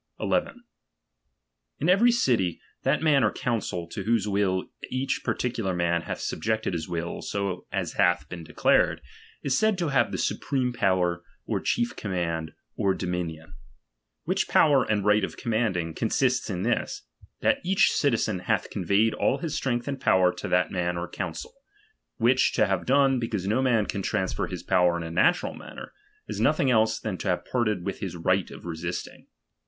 1 1 . In every city, that man or council, to whose will each particular man hath subjected his will so as hath been declared, is said to have the supreme power, or chief command, or domi nion: Which power and right of commanding, consists in this, that each citizen hath conveyed all his strength and power to that man or council ; which to have done, because no man can transfer his power in a natural manner, is nothing else than to have parted with his right of resisting.